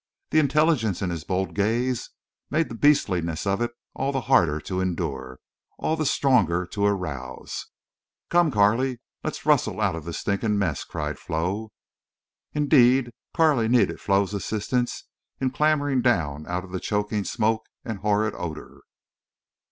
The intelligence in his bold gaze made the beastliness of it all the harder to endure, all the stronger to arouse. "Come, Carley, let's rustle out of this stinkin' mess," cried Flo. Indeed, Carley needed Flo's assistance in clambering down out of the choking smoke and horrid odor.